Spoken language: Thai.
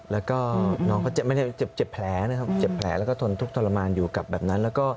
แล้วก็น้องเขาไม่ได้เจ็บแผลนะครับเจ็บแผลแล้วก็ทนทุกข์ทรมานอยู่กับแบบนั้นแล้วก็